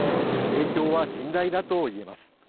影響は甚大だといえます。